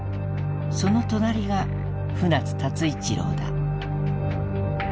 その隣が船津辰一郎だ。